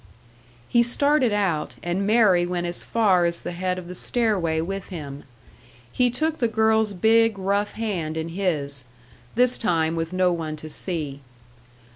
He started out, and Mary went as far as the head of the stairway with him. He took the girl's big, rough hand in his this time with no one to see.